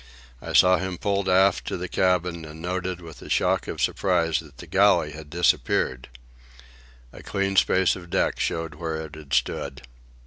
I saw him pulled aft to the cabin, and noted with a shock of surprise that the galley had disappeared. A clean space of deck showed where it had stood.